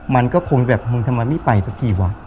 มันก็คงแบบมึงทำไมไม่ไปสักทีวะ